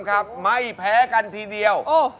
สุภัย